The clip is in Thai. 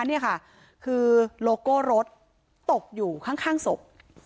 นี่ค่ะคือโลโก้รถตกอยู่ข้างศพ